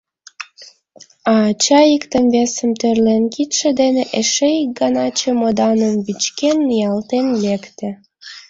А ача, иктым-весым тӧрлен, кидше дене эше ик гана чемоданым вӱчкен, ниялтен лекте.